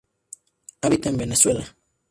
Habita en Venezuela.